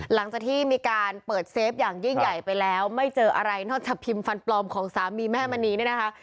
หลังจากที่มีการเปิดเซฟอย่างยิ่งใหญ่ไปแล้วไม่เจออะไรนอกจากพิมพ์ฟันปลอมของสามีแม่มณีเนี่ยนะคะ